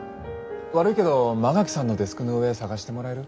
悪いけど馬垣さんのデスクの上探してもらえる？